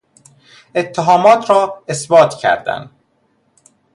اتهامات را اثبات کردن